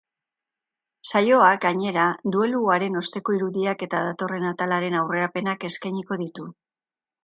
Saioak, gainera, dueluaren osteko irudiak eta datorren atalaren aurrerapenak eskainiko ditu.